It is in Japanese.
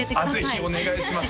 ぜひお願いします